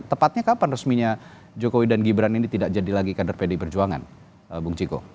tepatnya kapan resminya jokowi dan gibran ini tidak jadi lagi kader pdi perjuangan bung ciko